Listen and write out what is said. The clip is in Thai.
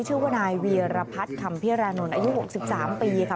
ชื่อว่านายเวียรพัฒน์คำพิรานนท์อายุ๖๓ปีค่ะ